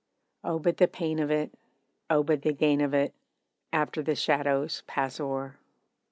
Oh, but the pain of it oh, but the gain of it, After the shadows pass o'er.